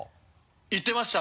言ってました。